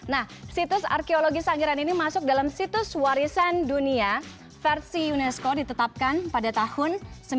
nah situs arkeologi sangiran ini masuk dalam situs warisan dunia versi unesco ditetapkan pada tahun